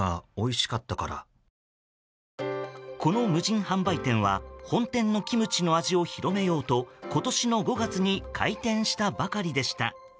この無人販売店は本店のキムチの味を広げようと今年の５月に開店したばかりでした。